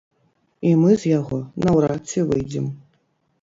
І мы з яго наўрад ці выйдзем.